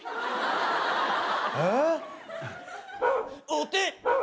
お手。